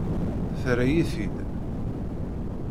Terra-yi-t-id.